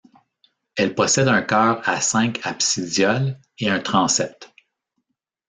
Elle possède un chœur à cinq absidioles et un transept.